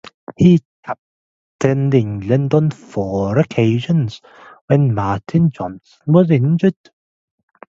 He captained England on four occasions when Martin Johnson was injured.